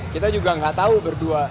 kita juga gak tau berdua